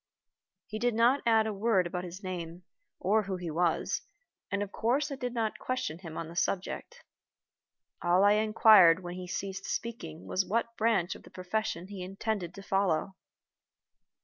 He did not add a word about his name, or who he was, and of course I did not question him on the subject. All I inquired when he ceased speaking was what branch of the profession he intended to follow.